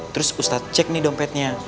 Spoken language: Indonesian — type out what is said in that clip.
terus ustadz cek nih dompetnya